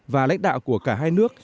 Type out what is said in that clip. và lãnh đạo của cả hai nước